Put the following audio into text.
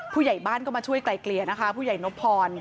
ผู้ใหญ่บ้านก็มาช่วยไกลเกลี่ยนะคะผู้ใหญ่นบพร